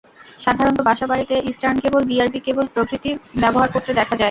সাধারণত বাসা-বাড়িতে eastern cable, BRB cable প্রভৃতি ব্যবহার করতে দেখা যায়।